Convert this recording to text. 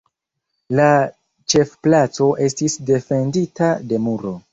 La ĉefplaco estis defendita de muro.